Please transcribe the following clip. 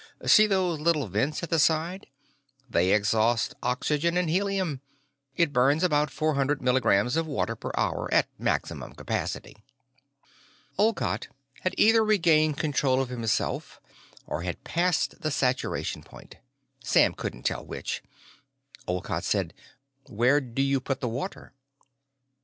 See those little vents at the side? They exhaust oxygen and helium. It burns about four hundred milligrams of water per hour at maximum capacity." Olcott had either regained control of himself or had passed the saturation point; Sam couldn't tell which. Olcott said: "Where do you put the water?"